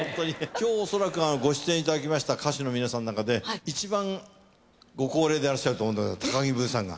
今日おそらくご出演いただきました歌手の皆さんの中で一番ご高齢でいらっしゃると思うんであります高木ブーさんが。